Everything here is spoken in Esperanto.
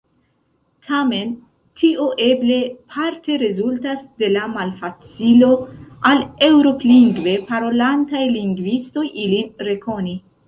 Tamen, tio eble parte rezultas de la malfacilo al Eŭrop-lingve parolantaj lingvistoj ilin rekoni.